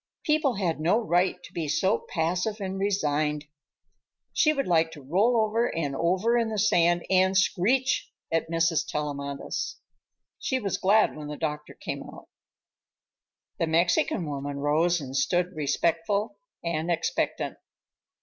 People had no right to be so passive and resigned. She would like to roll over and over in the sand and screech at Mrs. Tellamantez. She was glad when the doctor came out. The Mexican woman rose and stood respectful and expectant.